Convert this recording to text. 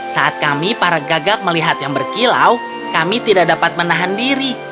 saat kami para gagak melihat yang berkilau kami tidak dapat menahan diri